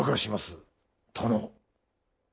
殿。